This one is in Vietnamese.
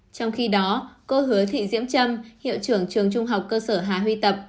trong khi đó cô hứa thị diễm trâm hiệu trưởng trường trung học cơ sở hà huy tập